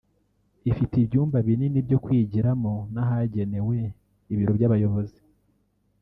Ifite ibyumba binini byo kwigiramo n’ahagenewe ibiro by’abayobozi